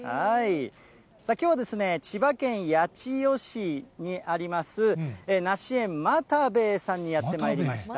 きょうはですね、千葉県八千代市にあります、梨園またべーさんにやってまいりました。